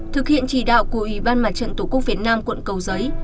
thực hiện chỉ đạo của ubndtq việt nam quận cầu giấy